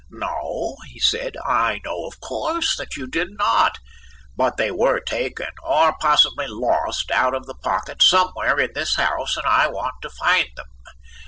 "No," he said, "I know of course that you did not, but they were taken, or possibly lost, out of the pocket somewhere in this house, and I want to find them."